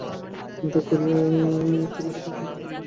নাটক করিয়া করিয়া কী নাটকই কুমুদ করিতে শিখিয়াছে।